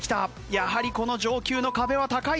やはりこの上級の壁は高いのか？